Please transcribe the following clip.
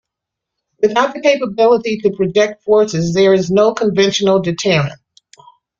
Without the capability to project forces, there is no conventional deterrent.